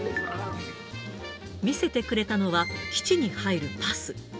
見せてくれたのは基地に入るパス。